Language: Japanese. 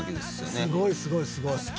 すごいすごいすごい。